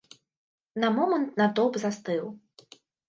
На момант натоўп застыў.